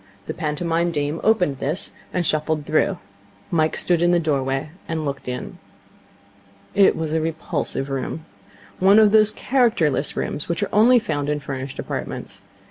The pantomime dame opened this, and shuffled through. Mike stood in the doorway, and looked in. It was a repulsive room. One of those characterless rooms which are only found in furnished apartments.